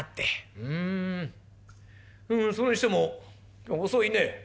うんそれにしても遅いね。